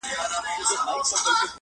يو چا تضاده کړم، خو تا بيا متضاده کړمه.